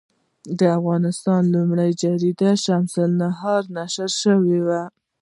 د افغانستان لومړنۍ جریده شمس النهار نشر شوه.